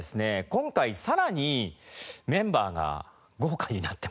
今回さらにメンバーが豪華になってます。